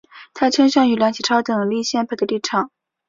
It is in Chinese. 他倾向于梁启超等立宪派的立场。